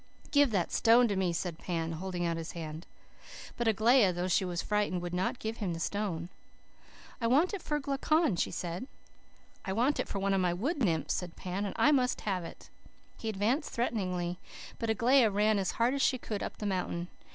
"'Give that stone to me,' said Pan, holding out his hand. "But Aglaia, though she was frightened, would not give him the stone. "'I want it for Glaucon,' she said. "'I want it for one of my wood nymphs,' said Pan, 'and I must have it.' "He advanced threateningly, but Aglaia ran as hard as she could up the mountain.